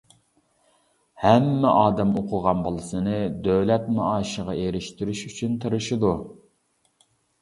ھەممە ئادەم، ئوقۇغان بالىسىنى دۆلەت مائاشىغا ئېرىشتۈرۈش ئۈچۈن تىرىشىدۇ.